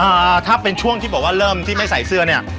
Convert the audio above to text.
อ่าถ้าเป็นช่วงที่บอกว่าเริ่มที่ไม่ใส่เสื้อเนี่ย